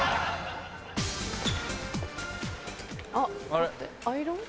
あっアイロン？